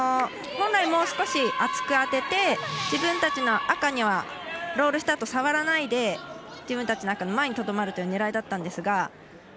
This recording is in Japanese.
本来、もう少し厚く当てて自分たちの赤にはロールしたあと触らないで自分たちの赤の前にとどまるというのが狙いだったんですが。